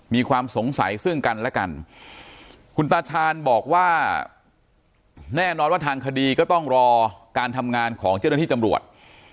มีความสงสัยซึ่งกันและกันคุณตาชาญบอกว่าแน่นอนว่าทางคดีก็ต้องรอการทำงานของเจ้าหน้าที่ตำรวจ